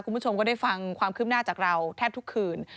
คุณผู้ชมก็ได้ฟังความคืบหน้าจากเราแทบทุกคืน